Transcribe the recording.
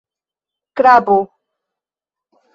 Krabo...